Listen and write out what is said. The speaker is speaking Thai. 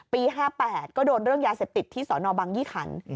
ปี๕๘ก็โดนเรื่องยาเศรษฐิตที่สบยี่ขัน